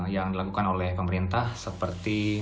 yang dilakukan oleh pemerintah seperti